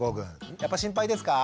やっぱ心配ですか？